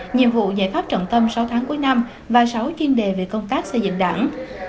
nhiệm vụ giải pháp trọng tâm sáu tháng cuối năm và sáu chuyên đề về công tác xây dựng đảng